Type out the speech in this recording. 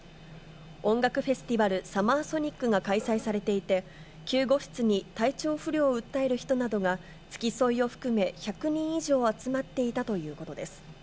音楽フェスティバル、サマーソニックが開催されていて、救護室に体調不良を訴える人などが付き添いを含め、１００人以上集まっていたということです。